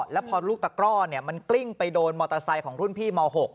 แล้วพอลูกตะกร่อมันกลิ้งไปโดนมอเตอร์ไซค์ของรุ่นพี่ม๖